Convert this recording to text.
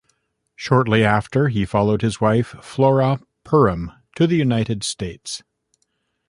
Shortly after, he followed his wife Flora Purim to the United States.